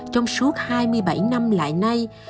trong suốt hai mươi bảy năm lại nay